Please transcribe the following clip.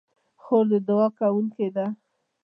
خور د دعا کوونکې ده.